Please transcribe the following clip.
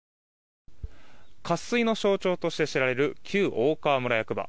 渇水の象徴として知られる旧大川村役場。